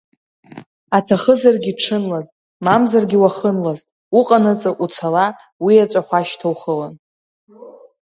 Аҭахызаргьы ҽынлаз, мамзаргьы уахынлаз, уҟанаҵы уцала уиеҵәахәашьҭа ухылан…